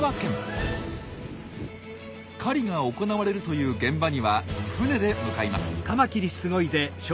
狩りが行われるという現場には船で向かいます。